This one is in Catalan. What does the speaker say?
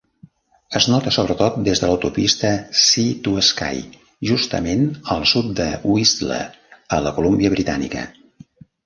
Es nota sobretot des de l'autopista Sea-to-Sky, justament al sud de Whistler, a la Colúmbia Britànica.